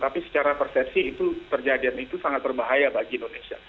tapi secara persepsi itu terjadi dan itu sangat berbahaya bagi indonesia